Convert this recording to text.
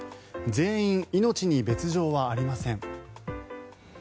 全員、命に別条はありません。